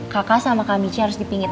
kakak sama kak michi harus dipingit